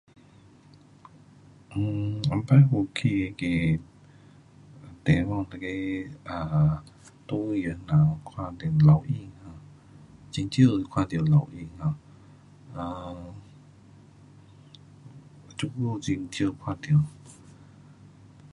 um 以前我去那个地方，一个 um 动物园那头看老鹰，很少看到老鹰 um 这久很少看到。